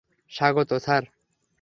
স্বাগত, স্যার।